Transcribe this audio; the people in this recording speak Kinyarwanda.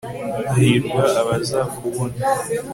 hahirwa abazakubona